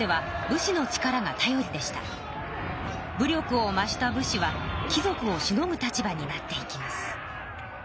武力を増した武士は貴族をしのぐ立場になっていきます。